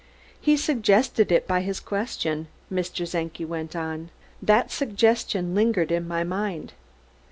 "He suggested it by his question," Mr. Czenki went on. "That suggestion lingered in my mind.